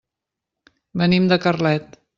Venim de Carlet.